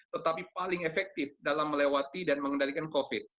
tetapi paling efektif dalam melewati dan mengendalikan covid